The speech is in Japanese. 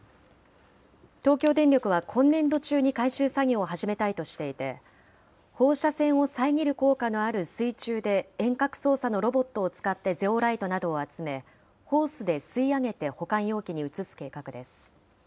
東京電力は今年度中に回収作業を始めたいとしていて、放射線を遮る効果のある水中で遠隔操作のロボットを使ってゼオライトなどを集め、ホースで吸い上げて、保管容器に移す計画です。